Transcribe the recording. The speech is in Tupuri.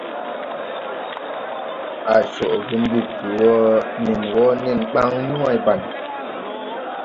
Ar coʼge mbuǧwo nen wo nen ɓan ni wãybane.